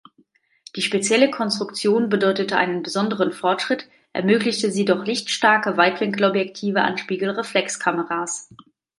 Die spezielle Konstruktion bedeutete einen besonderen Fortschritt, ermöglichte sie doch lichtstarke Weitwinkelobjektive an Spiegelreflexkameras.